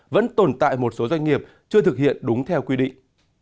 vẫn tồn tại một số doanh nghiệp chưa thực hiện đúng theo quy định